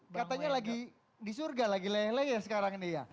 katanya lagi di surga lagi leleh sekarang ini ya